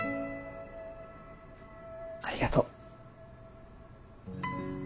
ありがとう。